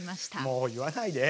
もう言わないで。